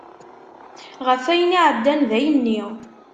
Ɣef ayen iɛeddan dayenni.